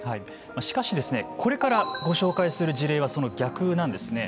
しかし、これからご紹介する事例はその逆なんですね。